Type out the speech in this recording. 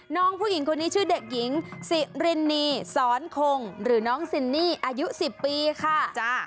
น้องผู้หญิงคนนี้ชื่อเด็กหญิงสิรินนีสอนคงหรือน้องซินนี่อายุ๑๐ปีค่ะ